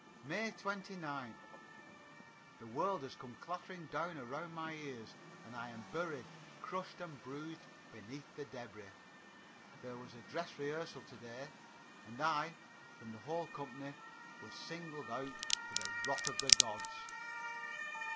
May 29th. The world has come clattering down around my ears and I am buried, crushed and bruised beneath the debris. There was a dress rehearsal to day, and I, from the whole company, was singled out for the wrath of the gods.